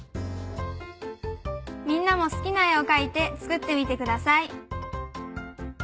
みんなも好きな絵を描いて作ってみてください。